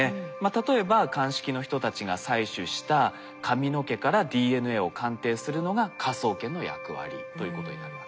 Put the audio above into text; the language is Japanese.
例えば鑑識の人たちが採取した髪の毛からＤＮＡを鑑定するのが科捜研の役割ということになるわけです。